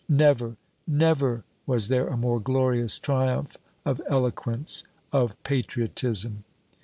Never never was there a more glorious triumph of eloquence of patriotism!